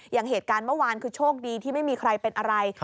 อย่างเหตุการณ์เมื่อวานคือโชคดีที่ไม่มีใครเป็นอะไร